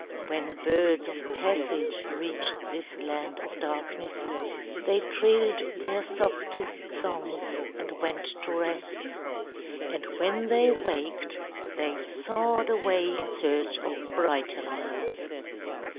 When birds of passage reached this land of darkness, they trilled their softest songs and went to rest, and when they waked, they soared away in search of brighter lands.